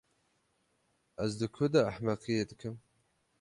Ez di ku de ehmeqiyê dikim?